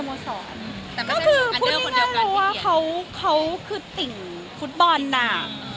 แต่มันไม่ใช่เพื่องอันเดิมคนเดียวกันที่เทียมหรอเขาคือดิงก์ฟุตบอลนา